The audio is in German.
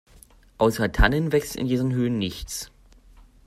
Außer Tannen wächst in diesen Höhen nichts.